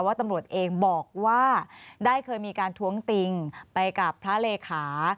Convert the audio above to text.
ตำรวจเองบอกว่าได้เคยมีการท้วงติงไปกับพระเลขา